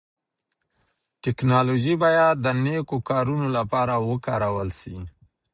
ټکنالوژي بايد د نيکو کارونو لپاره وکارول سي.